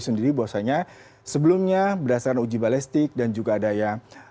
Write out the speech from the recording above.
sendiri bahwasannya sebelumnya berdasarkan uji balestik dan juga ada ya